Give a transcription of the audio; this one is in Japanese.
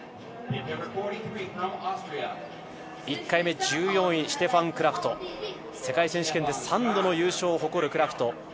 １回目１４位、シュテファン・クラフト、世界選手権で３度の優勝を誇るクラフト。